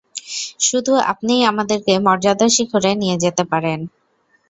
শুধু আপনিই আমাদেরকে মর্যাদার শিখরে নিয়ে যেতে পারেন!